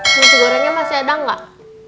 masi gorengnya masih ada gak